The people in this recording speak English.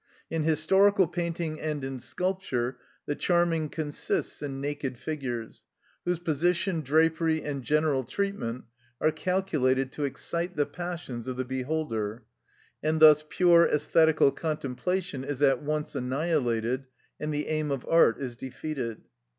In historical painting and in sculpture the charming consists in naked figures, whose position, drapery, and general treatment are calculated to excite the passions of the beholder, and thus pure æsthetical contemplation is at once annihilated, and the aim of art is defeated.